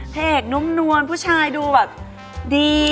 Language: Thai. เภสในแขกนุมนวลผู้ชายดูแบบดี